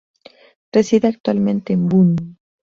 Reside actualmente en Bonn.